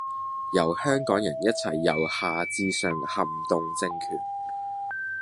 由香港人一齊由下至上撼動政權